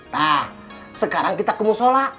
naah sekarang kita kemusola